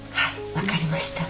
分かりました。